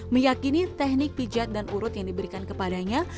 meyakini teknik pijat dan urut yang diberikan kepadanya